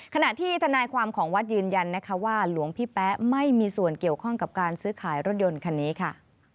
ขณะที่ทนายความของวัดยืนยันนะคะว่าหลวงพี่แป๊ะไม่มีส่วนเกี่ยวข้องกับการซื้อขายรถยนต์คันนี้ค่ะ